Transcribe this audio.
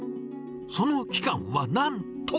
その期間はなんと。